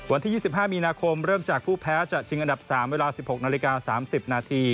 วันที่๒๕มีนาคมเริ่มจากผู้แพ้จะชิงอันดับ๓เวลา๑๖นาฬิกา๓๐นาที